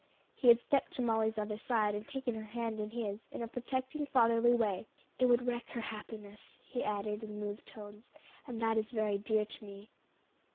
He had stepped to Molly's other side and taken her hand in his, in a protecting, fatherly way. "It would wreck her happiness," he added, in moved tones, "and that is very dear to me."